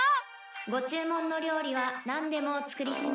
「ご注文の料理はなんでもお作りします」